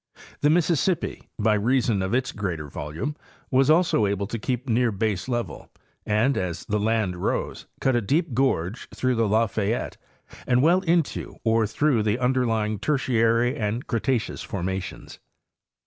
The Mississippi, by reason of its greater volume, was also able to keep near baselevel, and as the land rose cut a deep gorge through the Lafayette and well into or through the under lying Tertiary and Cretaceous formations.